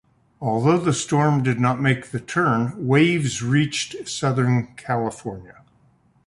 Although the storm did not make the turn, waves reached southern California.